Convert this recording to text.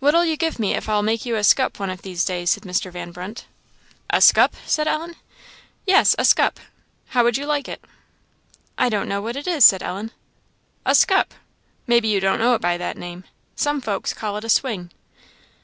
"What'll you give me if I'll make you a scup one of these days?" said Mr. Van Brunt. "A scup!" said Ellen. "Yes a scup! how would you like it?" "I don't know what it is." said Ellen. "A scup! may be you don't know it by that name; some folks call it a swing."